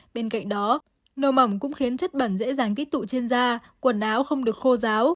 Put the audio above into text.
bên cạnh đó nồm ẩm cũng khiến chất bẩn dễ dàng tích tụ trên da quần áo không được khô giáo